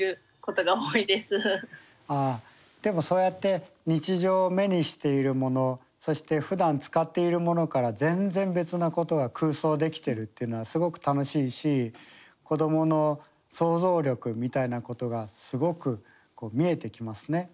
ああでもそうやって日常目にしているものそしてふだん使っているものから全然別なことが空想できてるっていうのはすごく楽しいし子どもの想像力みたいなことがすごく見えてきますね。